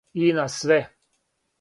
И на све.